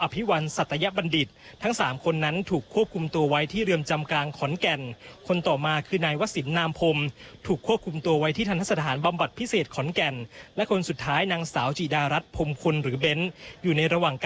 พร้อมกันกับคุณภูริพัฒน์บุญนิน